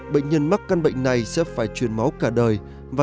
bệnh nhân mắc căn bệnh này sẽ phải chuyển máu cả đời